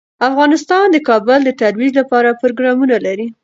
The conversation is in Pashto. افغانستان د کابل د ترویج لپاره پروګرامونه لري.